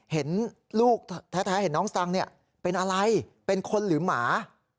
เห็นลูกแท้เห็นน้องสังเป็นอะไรเป็นคนหรือหมา